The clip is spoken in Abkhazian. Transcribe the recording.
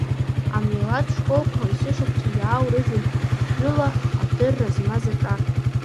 Амилаҭтә школқәа есышықәса иаурыжьуан шәҩыла адырра змаз аҿар.